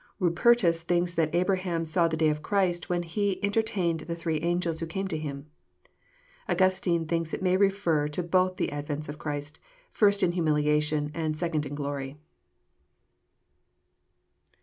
Bnpertus thinks that Abraham " saw the day of Christ " when he entertained the three angels who came to him. Augustine thinks it may refer to both the advents of Christ : first in humiliation, and second in glory.